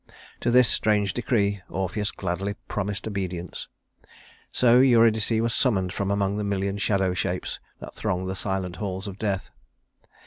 To this strange decree Orpheus gladly promised obedience; so Eurydice was summoned from among the million shadow shapes that throng the silent halls of death.